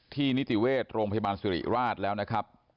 นิติเวชโรงพยาบาลสิริราชแล้วนะครับ